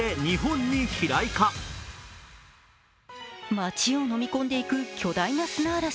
街をのみ込んでいく巨大な砂嵐。